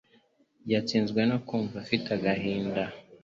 Yatsinzwe no kumva afite agahinda.